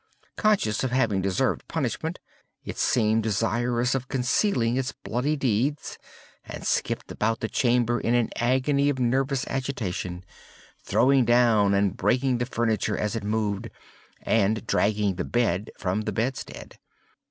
Conscious of having deserved punishment, it seemed desirous of concealing its bloody deeds, and skipped about the chamber in an agony of nervous agitation; throwing down and breaking the furniture as it moved, and dragging the bed from the bedstead.